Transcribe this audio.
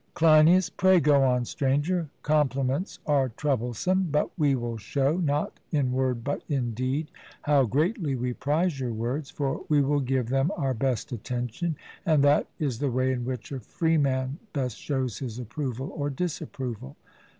CLEINIAS: Pray go on, Stranger; compliments are troublesome, but we will show, not in word but in deed, how greatly we prize your words, for we will give them our best attention; and that is the way in which a freeman best shows his approval or disapproval.